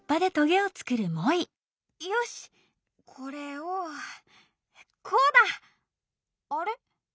よしこれをこうだ！あれ？